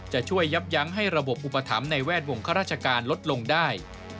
จะช่วยยับยั้งให้ระบบอุปถัมภ์ในแวดวงข้าราชการลดลงได้